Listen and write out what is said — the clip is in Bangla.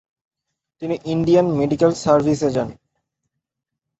তিনি ইণ্ডিয়ান মেডিক্যাল সারভিসে যান।